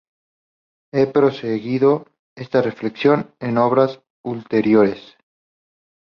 Ha proseguido esta reflexión en obras ulteriores.